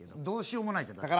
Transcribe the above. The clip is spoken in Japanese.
どうしようもないじゃん。